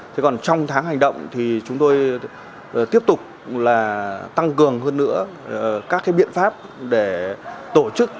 thế còn trong tháng hành động thì chúng tôi tiếp tục là tăng cường hơn nữa các cái biện pháp để tổ chức